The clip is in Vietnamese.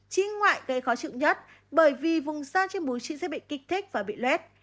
trí ngoại gây khó chịu nhất bởi vì vùng xa trên búi trĩ sẽ bị kích thích và bị lết